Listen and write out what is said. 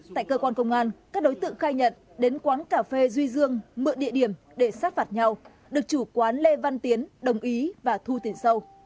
tại cơ quan công an các đối tượng khai nhận đến quán cà phê duy dương mượn địa điểm để sát phạt nhau được chủ quán lê văn tiến đồng ý và thu tiền sâu